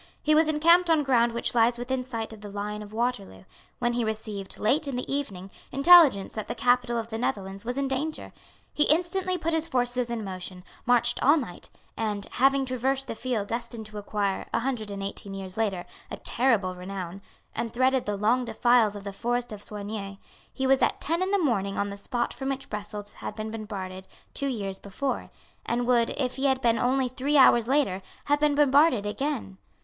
He was encamped on ground which lies within sight of the Lion of Waterloo, when he received, late in the evening, intelligence that the capital of the Netherlands was in danger. He instantly put his forces in motion, marched all night, and, having traversed the field destined to acquire, a hundred and eighteen years later, a terrible renown, and threaded the long defiles of the Forest of Soignies, he was at ten in the morning on the spot from which Brussels had been bombarded two years before, and would, if he had been only three hours later, have been bombarded again.